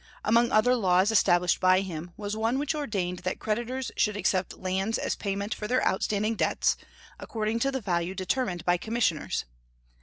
Among other laws established by him was one which ordained that creditors should accept lands as payment for their outstanding debts, according to the value determined by commissioners.